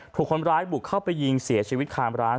ถูกคนร้ายบุกเข้าไปยิงเสียชีวิตคามร้าน